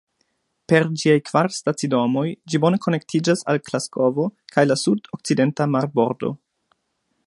Per ĝiaj kvar stacidomoj ĝi bone konektiĝas al Glasgovo kaj la sudokcidenta marbordo.